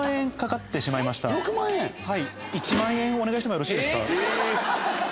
１万円お願いしてもよろしいですか？